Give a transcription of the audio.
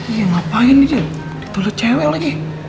iya ngapain nih dia ditolak cewek lagi